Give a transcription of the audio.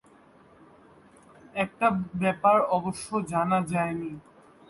একটা ব্যাপার অবশ্য জানা যায়নি।